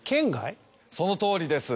そのとおりです